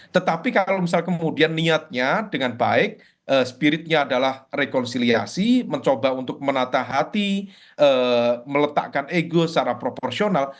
tetapi kalau misal kemudian niatnya dengan baik spiritnya adalah rekonsiliasi mencoba untuk menatah hati meletakkan ego secara proporsional